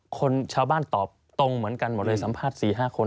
คนชาวบ้านตอบตรงเหมือนกันหมดเลยสัมภาษณ์๔๕คน